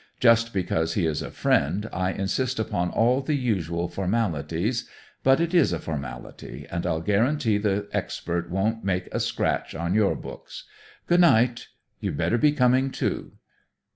Just because he is a friend, I insist upon all the usual formalities. But it is a formality, and I'll guarantee the expert won't make a scratch on your books. Good night. You'd better be coming, too."